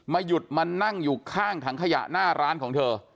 หยุดมานั่งอยู่ข้างถังขยะหน้าร้านของเธอ